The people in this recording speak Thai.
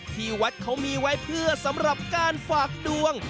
ที่วัดเขามีไว้เพื่อสำหรับการฝากดวง